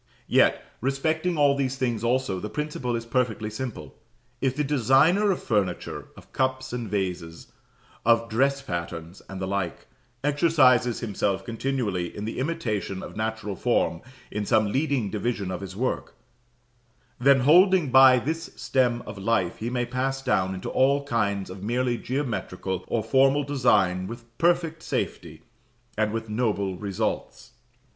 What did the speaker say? Yet, respecting all these things also, the principle is perfectly simple. If the designer of furniture, of cups and vases, of dress patterns, and the like, exercises himself continually in the imitation of natural form in some leading division of his work; then, holding by this stem of life, he may pass down into all kinds of merely geometrical or formal design with perfect safety, and with noble results.